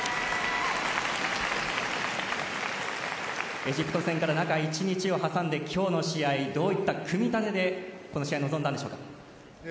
エジプト戦から中１日挟んで今日の試合どういった組み立てでこの試合に臨んだんでしょうか。